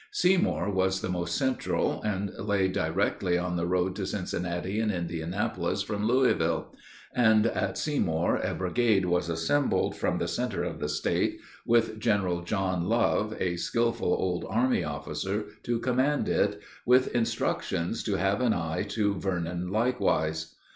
Seymour was the most central, and lay directly on the road to Cincinnati and Indianapolis from Louisville; and at Seymour a brigade was assembled from the center of the State, with General John Love, a skilful old army officer, to command it, with instructions to have an eye to Vernon likewise.